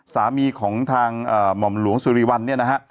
สามีของทางหม่อมหลวงสุริวัลเนี่ยนะฮะ